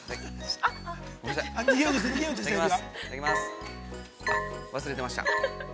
あっ、忘れてました。